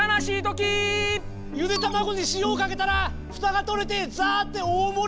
ゆで卵に塩をかけたらふたが取れてザーッて大盛りで出ちゃったときー！